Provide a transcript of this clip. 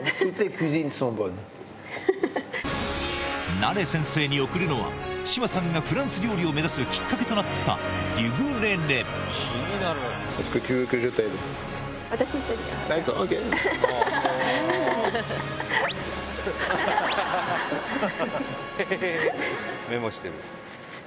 ナレ先生に贈るのは、志麻さんがフランス料理を目指すきっかけとなった、私１人で。